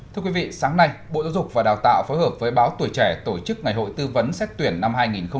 thưa quý vị sáng nay bộ giáo dục và đào tạo phối hợp với báo tuổi trẻ tổ chức ngày hội tư vấn xét tuyển năm hai nghìn hai mươi